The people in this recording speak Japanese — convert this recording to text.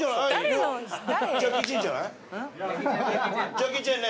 ジャッキー・チェンね。